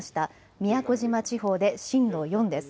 宮古島地方で震度４です。